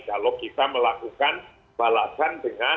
kalau kita melakukan balasan dengan